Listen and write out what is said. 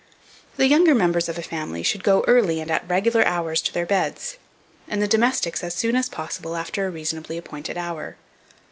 The younger members of a family should go early and at regular hours to their beds, and the domestics as soon as possible after a reasonably appointed hour.